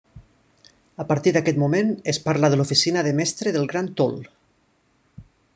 A partir d’aquest moment, es parla de l’oficina de mestre del Gran Tol.